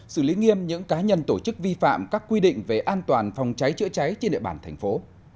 xử lý nghiêm những cá nhân tổ chức vi phạm các quy định về an toàn phòng cháy chữa cháy trên địa bàn thành phố